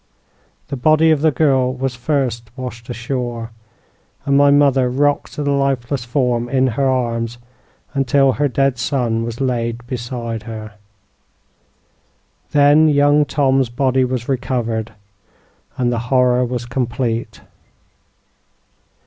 The body of the girl was first washed ashore, and my mother rocked the lifeless form in her arms until her dead son was laid beside her. Then young Tom's body was recovered, and the horror was complete.